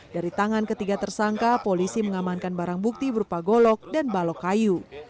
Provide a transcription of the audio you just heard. dari tangan ketiga tersangka polisi mengamankan barang bukti berupa golok dan balok kayu